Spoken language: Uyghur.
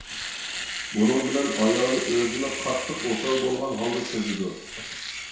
بۇنىڭ بىلەن ئايالى ئۆزىنى قاتتىق ئوسال بولغان ھالدا سېزىدۇ.